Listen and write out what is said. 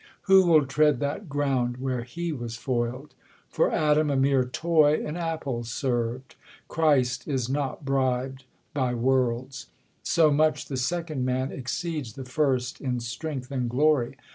Who will tread that ground, Where he was foil'd ? For Adam a mere toy, An apple serv'd ; Christ is not brib'd by worlds : So much ttfc second Man exceeds the first In strength and glory.